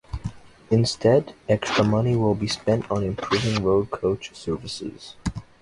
Instead, extra money will be spent on improving road coach services.